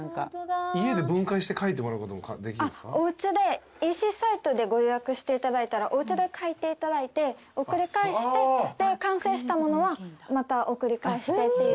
おうちでＥＣサイトでご予約していただいたらおうちで描いていただいて送り返してで完成したものはまた送り返してっていう。